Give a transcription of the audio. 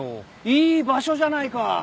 いい場所じゃないか。